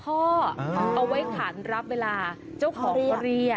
เอาไว้ขันรับเวลาเจ้าของก็เรียก